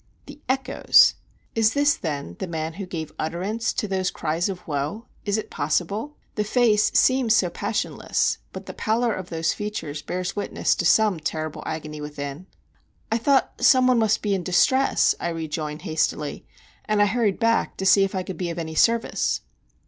The echoes! Is this, then, the man who gave utterance to those cries of woe! is it possible? The face seems so passionless; but the pallor of those features bears witness to some terrible agony within. "I thought some one must be in distress," I rejoin, hastily; "and I hurried back to see if I could be of any service."